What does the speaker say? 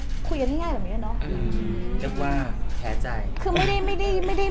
ก็คุยง่ายแบบนี้ด้วยนะ